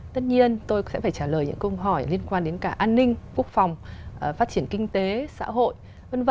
tất nhiên tôi sẽ phải trả lời những câu hỏi liên quan đến cả an ninh quốc phòng phát triển kinh tế xã hội v v